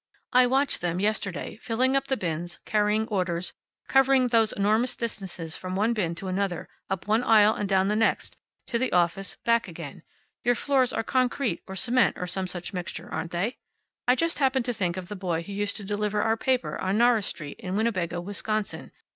I watched them yesterday, filling up the bins, carrying orders, covering those enormous distances from one bin to another, up one aisle and down the next, to the office, back again. Your floors are concrete, or cement, or some such mixture, aren't they? I just happened to think of the boy who used to deliver our paper on Norris Street, in Winnebago, Wisconsin.